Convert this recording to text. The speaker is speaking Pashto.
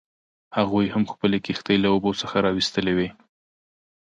هغوی هم خپلې کښتۍ له اوبو څخه راویستلې وې.